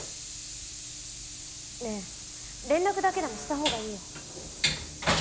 ねぇ連絡だけでもしたほうがいいよ。